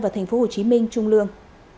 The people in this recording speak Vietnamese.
thành phố hồ chí minh trung lương